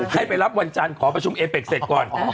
ให้ไปรับวันจันทร์ขอประชุมเอเป็กเสร็จก่อน